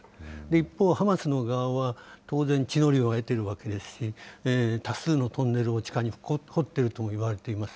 一方、ハマスの側は、当然地の利を得ているわけですし、多数のトンネルを地下に掘ってるともいわれています。